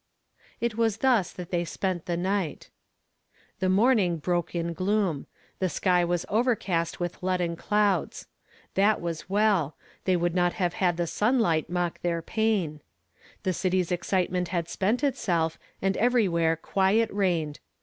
It was thus that they spent the night. The morning broke in gloom. The sky was overcast with leaden clouds. That was well ; they would not have had the sunlight mock their pain. The city's excitement had spent itself, and every where quiet reigned.